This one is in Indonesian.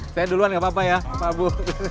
saya duluan nggak apa apa ya pak abu